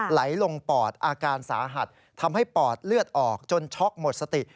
ไหลลงปอดอาการสาหัสทำให้ปอดเลือดออกจนช็อกหมดสติ